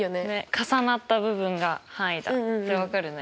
重なった部分が範囲だって分かるね。